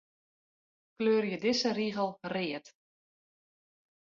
Kleurje dizze rigel read.